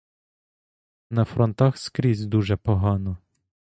На фронтах скрізь дуже погано.